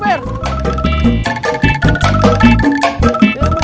per per per per